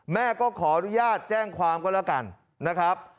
แม่ก็ขออนุญาตแจ้งความก็แล้วกันนะครับ